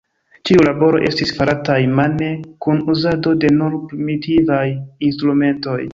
Ĉiuj laboroj estis farataj mane kun uzado de nur primitivaj instrumentoj.